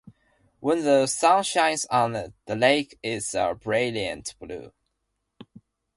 When the sun shines on it, the lake is a brilliant blue.